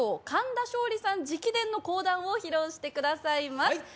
神田松鯉さん直伝の講談を披露してくださいます。